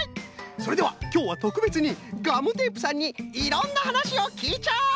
それではきょうはとくべつにガムテープさんにいろんなはなしをきいちゃおう！